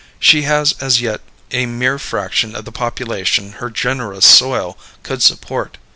She has as yet a mere fraction of the population her generous soil could support.